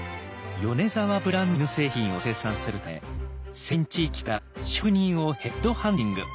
米沢ブランドの絹製品を生産するため先進地域から職人をヘッドハンティング。